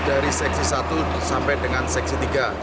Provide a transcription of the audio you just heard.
dari seksi satu sampai dengan seksi tiga